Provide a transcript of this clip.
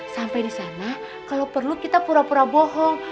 sampai disana kalo perlu kita pura pura bohong